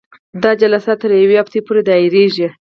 دا جلسه تر یوې اونۍ پورې دایریږي.